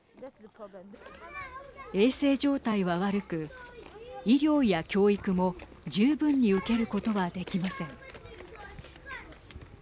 衛生状態は悪く医療や教育も十分に受けることはできません。